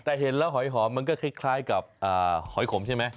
แต่เห็นแล้วหอยหอมมันก็คล้ายกับหอยขมใช่ไหม